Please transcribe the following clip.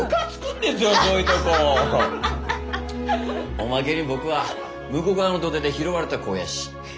おまけに僕は武庫川の土手で拾われた子ぉやし。え？